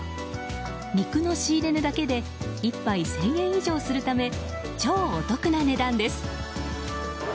肉の仕入れ値だけで１杯１０００円以上するため超お得な値段です。